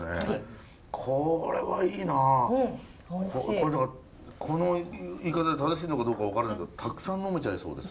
これこの言い方で正しいのかどうか分からないけどたくさん呑めちゃいそうです。